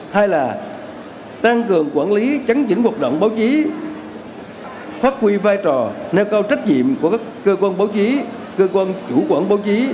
hai là tăng cường quản lý chắn chỉnh hoạt động báo chí phát huy vai trò nêu cao trách nhiệm của các cơ quan báo chí cơ quan chủ quản báo chí